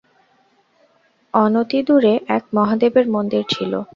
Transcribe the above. অনতিদূরে এক মহাদেবের মন্দির ছিল।